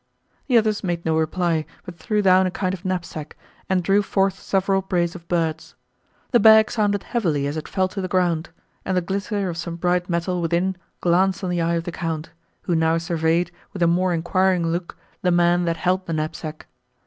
The others made no reply, but threw down a kind of knapsack, and drew forth several brace of birds. The bag sounded heavily as it fell to the ground, and the glitter of some bright metal within glanced on the eye of the Count, who now surveyed, with a more enquiring look, the man, that held the knapsack.